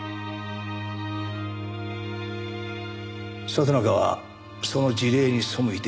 里中はその辞令に背いて辞職。